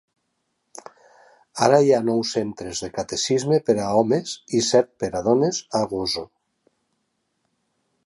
Ara hi ha nou centres de catecisme per a homes i set per a dones a Gozo.